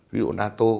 ví dụ nato